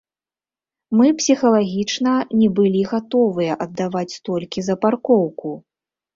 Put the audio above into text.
Мы псіхалагічна не былі гатовыя аддаваць столькі за паркоўку.